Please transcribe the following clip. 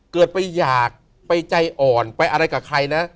เกิดไปอยากไปใจอ่อนไปอะไรกับใครนะ